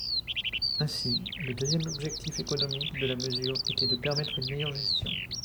Ainsi, le deuxième objectif économique de la mesure était de permettre une meilleure gestion.